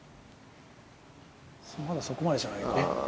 まだそこまでじゃないか。